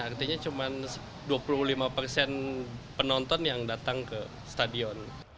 artinya cuma dua puluh lima persen penonton yang datang ke stadion